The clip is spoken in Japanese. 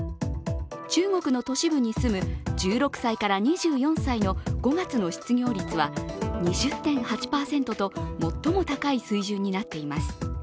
中国の都市部に住む１６歳から２４歳の５月の失業率は２０．８％と最も高い水準になっています。